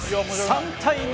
３対２。